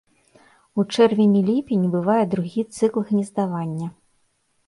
У чэрвені-ліпені бывае другі цыкл гнездавання.